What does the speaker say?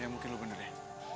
ya mungkin lo bener deh